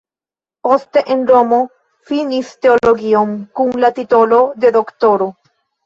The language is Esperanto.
Poste en Romo finis teologion kun la titolo de doktoro.